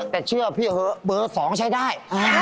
แต่เชื่อพี่เบอร์สองใช้ได้